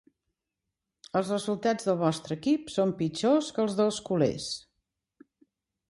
Els resultats del vostre equip són pitjors que els dels culers.